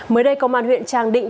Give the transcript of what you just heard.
mới đây công an huyện tràng định